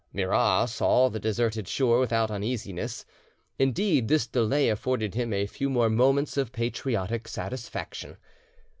Murat saw the deserted shore without uneasiness, indeed this delay afforded him a few more moments of patriotic satisfaction.